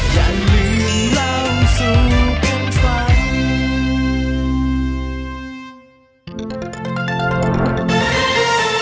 อย่าลืมเล่าสุดกันฟัง